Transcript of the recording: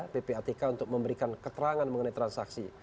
ppatk untuk memberikan keterangan mengenai transaksi